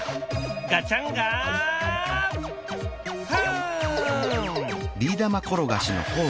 ガチャンガフン！